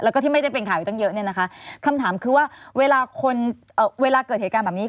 แล้วก็ที่ไม่ได้เป็นข่าวอยู่ตั้งเยอะเนี่ยนะคะคำถามคือว่าเวลาคนเวลาเกิดเหตุการณ์แบบนี้